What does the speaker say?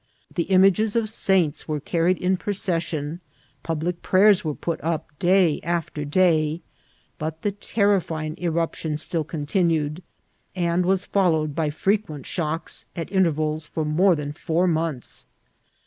The images of saints were carried in procession, public prayers were put up, day after day ; but the terrifying ACCOUNT OF LA ANTIGUA* eruption still continued, and was followed by frequent shocks, at intervals, for more than four months.